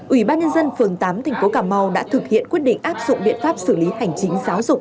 ủy ban nhân dân phường tám thành phố cảm mau đã thực hiện quyết định áp dụng biện pháp xử lý hành chính giáo dục